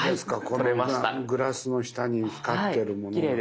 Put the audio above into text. このグラスの下に光ってるものが。